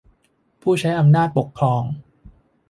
ผู้ใช้อำนาจปกครอง